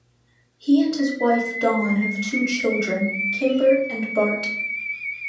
He and his wife Dawn have two children, Kimber and Bart.